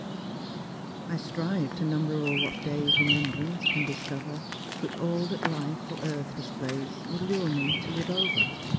I strive to number o'er what daya Kemembrance can discover, VHiich all that life or earth displays Would lure me to live over.